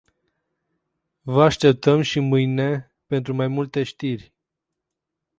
Vă așteptăm și mâine pentru mai multe știri.